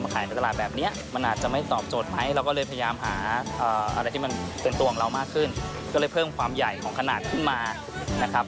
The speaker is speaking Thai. ก็เลยเพิ่มความใหญ่ของขนาดขึ้นมานะครับ